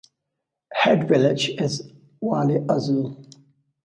Head village is Valle Azul.